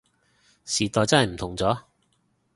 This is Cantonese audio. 時代真係唔同咗